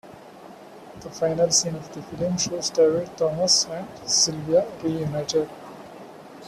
The final scene of the film shows David, Thomas and Sylvia reunited.